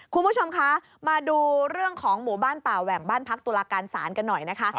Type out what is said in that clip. คุณผู้ชมคะมาดูเรื่องของหมู่บ้านป่าแหว่งบ้านพักตุลาการศาลกันหน่อยนะคะ